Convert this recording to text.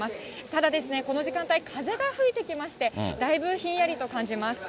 ただですね、この時間帯、風が吹いてきまして、だいぶひんやりと感じます。